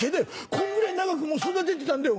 こんぐらい長く育ててたんだよ。